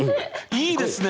いいですね！